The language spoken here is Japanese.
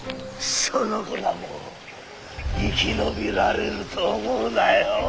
その子らも生き延びられると思うなよ。